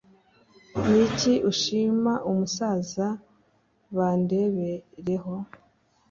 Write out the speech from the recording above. ni iki ushima umusaza bandebereho ?